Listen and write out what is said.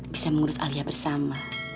bisa mengurus alia bersama